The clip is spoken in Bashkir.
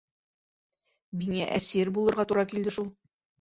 Миңә әсир булырға тура килде шул.